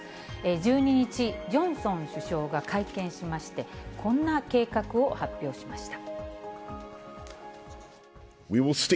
１２日、ジョンソン首相が会見しまして、こんな計画を発表しました。